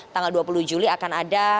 tanggal dua puluh juli akan ada